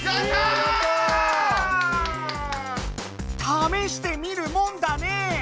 試してみるもんだね！